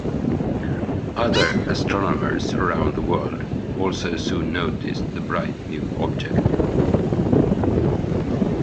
Other astronomers around the world also soon noticed the bright new object.